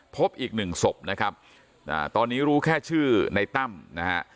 พบอีกหนึ่งศพนะครับตอนนี้รู้แค่ชื่อในตั้มนะฮะ